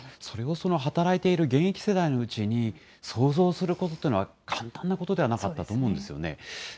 それをその働いている現役世代のうちに、想像することっていうのは、簡単なことではなかったと思うんですよね。